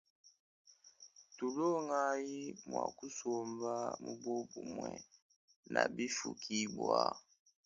Tulongayi mua kusomba mubobumue na bifukibua.